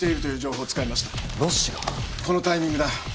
このタイミングだ。